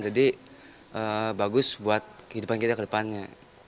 bagus buat kehidupan kita ke depannya